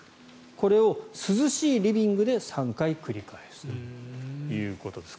これを涼しいリビングで３回繰り返すということです。